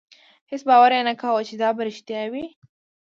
هېڅ باور یې نه کاوه چې دا به رښتیا وي.